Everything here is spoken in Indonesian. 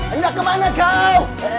anda kemana kau